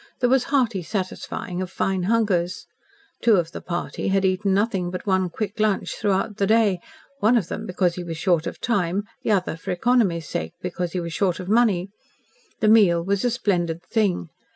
There was hearty satisfying of fine hungers. Two of the party had eaten nothing but one "Quick Lunch" throughout the day, one of them because he was short of time, the other for economy's sake, because he was short of money. The meal was a splendid thing.